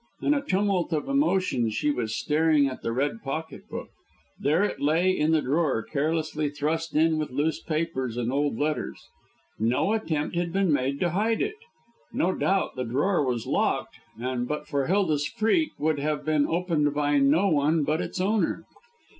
In a tumult of emotion she was staring at the red pocket book. There it lay in the drawer, carelessly thrust in with loose papers and old letters. No attempt had been made to hide it. No doubt the drawer was locked, and but for Hilda's freak would have been opened by no one but its owner.